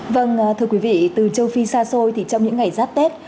vâng thưa quý vị từ châu phi xa xôi thì trong những ngày giáp tết